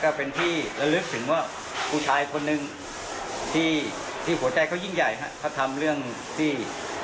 เขาทำเรื่องที่